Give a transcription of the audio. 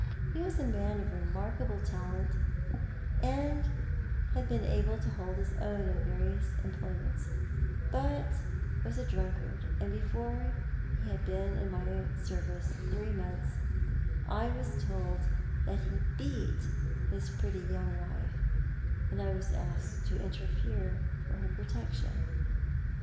He was a man of remark able talent, had been able to hold his own in various employ ments, but was a drunkard, and before he had been in my service three months I was told that he beat his pretty young wife, and I was asked to interfere for her protection.